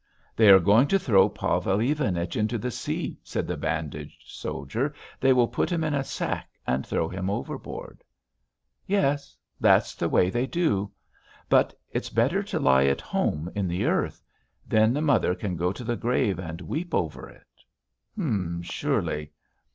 "They are going to throw Pavel Ivanich into the sea," said the bandaged soldier. "They will put him in a sack and throw him overboard." "Yes. That's the way they do." "But it's better to lie at home in the earth. Then the mother can go to the grave and weep over it." "Surely."